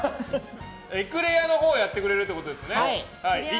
エクレアのほうをやってくれるということですね。